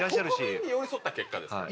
国民に寄り添った結果ですから。